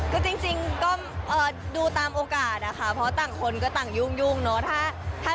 ก็คิดว่ามันตัวของเขากันหรือเปล่า